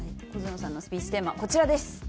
小園さんのスピーチテーマこちらです。